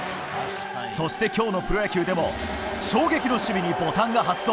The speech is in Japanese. そして今日のプロ野球でも衝撃の守備にボタンが発動！